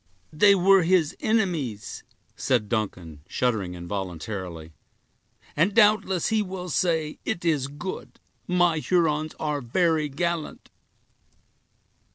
"They were his enemies," said Duncan, shuddering involuntarily; "and doubtless, he will say, it is good; my Hurons are very gallant."